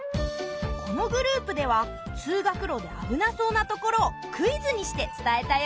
このグループでは通学路で危なそうな所をクイズにして伝えたよ。